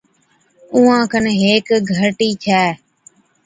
اُونهان کن هيڪ گھَرٽِي ڇَي،